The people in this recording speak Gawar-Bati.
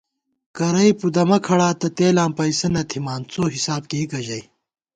کرَئی پُدَمہ کھڑاتہ تېلاں پَئیسہ نہ تھِمان، څوحِساب کېئیکہ ژَئی